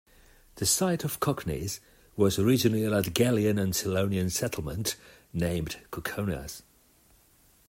The site of Koknese was originally a Latgalian and Selonian settlement named Kukenois.